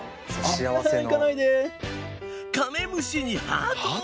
カメムシにハート？